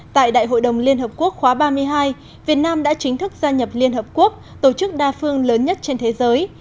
tại đại hội đồng liên hợp quốc khóa ba mươi hai việt nam đã chính thức gia nhập liên hợp quốc tổ chức đa phương lớn nhất trên thế giới